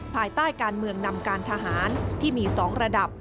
ภายใต้การเมืองนำการทหารที่มี๒ระดับ